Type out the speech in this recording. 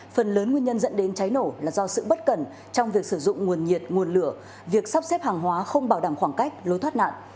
phần lớn nguyên nhân dẫn đến cháy nổ là do sự bất cẩn trong việc sử dụng nguồn nhiệt nguồn lửa việc sắp xếp hàng hóa không bảo đảm khoảng cách lối thoát nạn